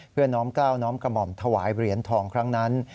น้อมกล้าวน้อมกระหม่อมถวายเหรียญทองครั้งนั้น